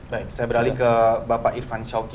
baik saya beralih ke bapak irfan syawki